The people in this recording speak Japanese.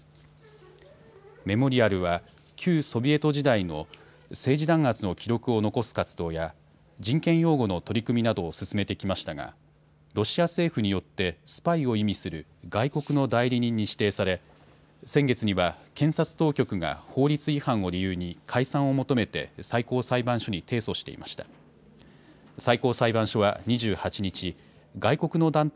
メモリアルは、旧ソビエト時代の政治弾圧の記録を残す活動や、人権擁護の取り組みなどを進めてきましたが、ロシア政府によってスパイを意味する外国の代理人に指定され、先月には検察当局が法律違反を理由に解散を求めて最高裁判所に提訴していました。